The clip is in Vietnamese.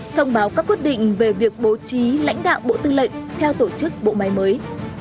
thông báo các quyết định về việc bố trí lãnh đạo bộ tư lệnh theo tổ chức bộ máy mới